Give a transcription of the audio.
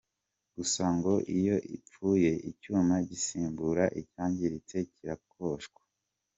Gusa ngo iyo ipfuye, icyuma gisimbura icyangiritse kirakosha.